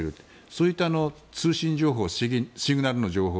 そういった通信情報シグナルの情報